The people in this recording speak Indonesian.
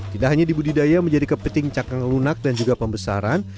tidak hanya dibudidaya menjadi kepiting cakeng lunak dan juga pembesaran